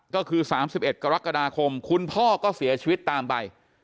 ก็คือ๓๑กรกฎาคมคุณพ่อก็เสียชีวิตตามไป